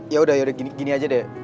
ya udah ya udah gini aja deh